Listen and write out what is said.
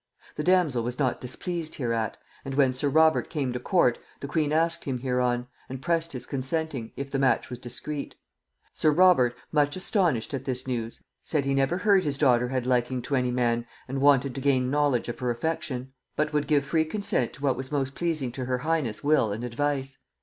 The damsel was not displeased hereat; and when sir Robert came to court, the queen asked him hereon, and pressed his consenting, if the match was discreet. Sir Robert, much astonied at this news, said he never heard his daughter had liking to any man, and wanted to gain knowledge of her affection; but would give free consent to what was most pleasing to her highness will and advice.